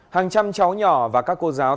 hàng trăm cháu nhỏ và các cô giáo